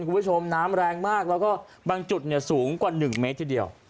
คุณผู้ชมน้ำแรงมากแล้วก็บางจุดเนี่ยสูงกว่าหนึ่งเมตรเท่าเดียว